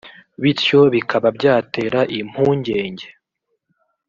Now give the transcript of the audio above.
bityo bikaba byatera impungenge